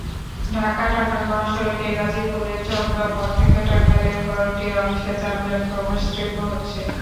ঢাকা-টাঙ্গাইল মহাসড়কে গাজীপুরের চন্দ্রা মোড় থেকে টাঙ্গাইলের করটিয়া অংশে যানজট ক্রমশ তীব্র হচ্ছে।